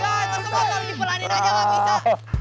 masa mau taruh dipelanin aja gak bisa